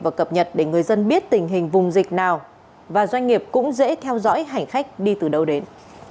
và cập nhật để người dân biết tình hình vùng dịch nào và doanh nghiệp cũng dễ theo dõi hành khách đi từ đâu đến